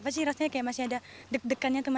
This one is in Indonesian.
pasti rasanya kayak masih ada deg degannya